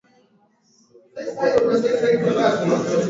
utumiaji mbaya zimeendelea kudumu hadi sasa katika vitabu vya